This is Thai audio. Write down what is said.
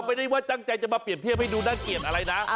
ไม่ได้ว่าตั้งใจจะมาเปรียบเทียบให้ดูน่าเกลียดอะไรนะ